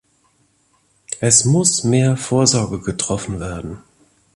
Es muss mehr Vorsorge getroffen werden.